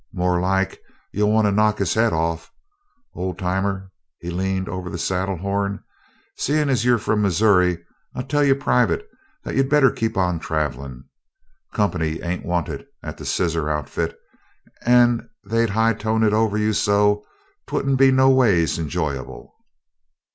"More like you'll want to knock his head off. Old Timer," he leaned over the saddle horn, "seein' as you're from Missoury, I'll tell you private that you'd better keep on travelin'. Company ain't wanted at the Scissor Outfit, and they'd high tone it over you so 'twouldn't be noways enjoyable."